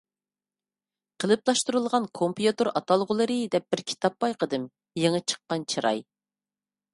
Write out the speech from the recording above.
«قېلىپلاشتۇرۇلغان كومپيۇتېر ئاتالغۇلىرى» دەپ بىر كىتاب بايقىدىم، يېڭى چىققان چىراي.